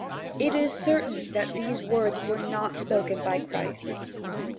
It is certain that these words were not spoken by Christ.